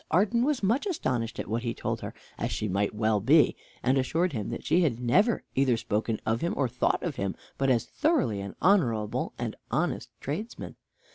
Arden was much astonished at what he told her, as she might well be, and assured him that she had never either spoken of him or thought of him but as thoroughly an honorable and honest tradesman.